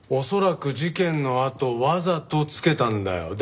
恐らく事件のあとわざとつけたんだよ。